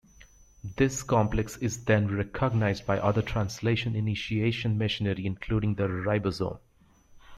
This complex is then recognized by other translation initiation machinery including the ribosome.